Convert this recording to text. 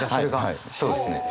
はいそうですね。